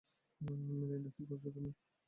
Melinda, কি করছো তুমি?